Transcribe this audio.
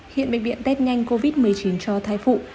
hiện bệnh viện test nhanh covid một mươi chín cho thai phụ